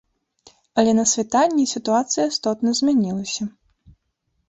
Але на світанні сітуацыя істотна змянілася.